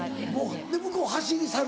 で向こう走り去る？